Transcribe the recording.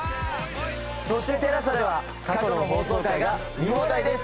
そしてＴＥＬＡＳＡでは過去の放送回が見放題です。